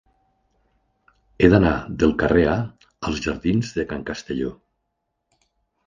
He d'anar del carrer A als jardins de Can Castelló.